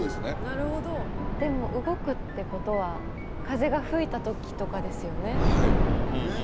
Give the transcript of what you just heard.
なるほどでも動くってことは風が吹いた時とかですよねはいえっ？